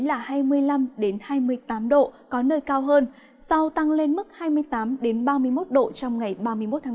nhiệt độ cao nhất hai ngày tới là hai mươi năm hai mươi tám độ có nơi cao hơn sau tăng lên mức hai mươi tám ba mươi một độ trong ngày ba mươi một tháng ba